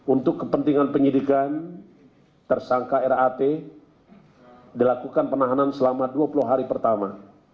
untuk kepentingan penyidikan tersangka rat dilakukan penahanan selama dua puluh hari pertama